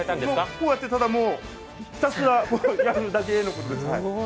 こうやってひたすらやるだけのことです。